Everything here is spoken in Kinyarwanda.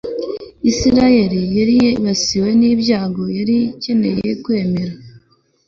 Isirayeli yari yibasiwe nibyago yari ikeneye kwemera